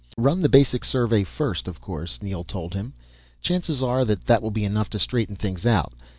"Run the basic survey first, of course," Neel told him. "Chances are that that will be enough to straighten things out.